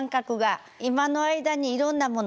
今の間にいろんなもの